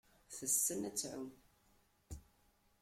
Tessen ad tεumm.